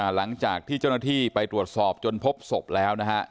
หลังจากที่เจ้าหน้าที่ไปตรวจสอบจนพบศพแล้วนะฮะ